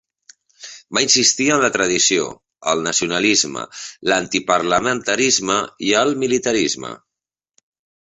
Va insistir en la tradició, el nacionalisme, l'antiparlamentarisme i el militarisme.